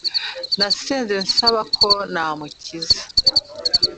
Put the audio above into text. nasenze nsaba ko namukiza